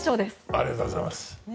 ありがとうございます。